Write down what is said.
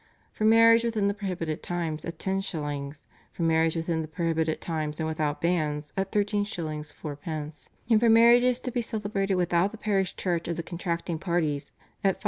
for marriage within the prohibited times at 10s., for marriage within the prohibited times and without banns at 13s. 4d., and for marriages to be celebrated without the parish church of the contracting parties at 5s.